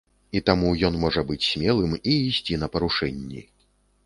І таму ён можа быць смелым і ісці на парушэнні.